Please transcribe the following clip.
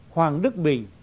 hoàng đức bình